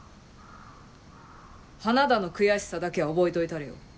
花田の悔しさだけは覚えといたれよ。